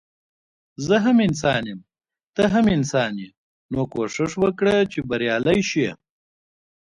زه هم انسان يم ته هم انسان يي نو کوښښ وکړه چي بريالی شي